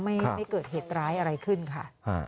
ไม่เกิดเหตุร้ายอะไรขึ้นค่ะ